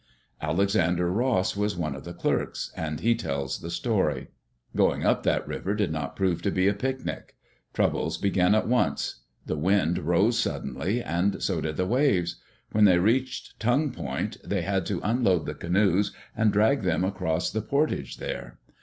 Alexander Ross was one of the clerks, and he tells the story. Going up that river did not prove to be a picnic. Troubles began at once. The wind rose suddenly, and so did the waves. When they reached Tongue Point they had to unload the canoes and drag them across the por tage there.